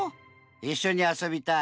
いっしょにあそびたい。